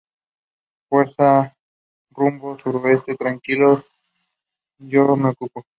fuerza rumbo suroeste. tranquilo, yo me ocupo